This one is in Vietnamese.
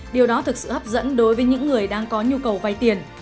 điều đó thực sự hấp dẫn đối với những người đang có nhu cầu vay tiền